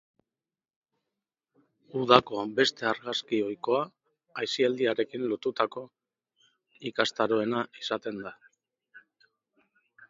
Udako beste argazki ohikoa, aisialdiarekin lotutako ikastaroena izaten da.